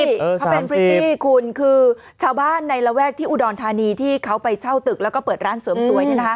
เขาเป็นพริตตี้คุณคือชาวบ้านในระแวกที่อุดรธานีที่เขาไปเช่าตึกแล้วก็เปิดร้านเสริมสวย